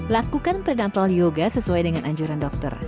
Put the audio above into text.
lakukan predator yoga sesuai dengan anjuran dokter